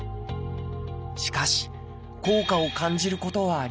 しかし効果を感じることはありませんでした。